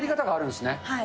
はい。